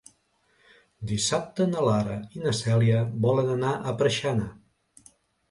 Dissabte na Lara i na Cèlia volen anar a Preixana.